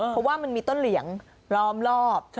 เพราะว่ามันมีต้นเหลียงล้อมรอบ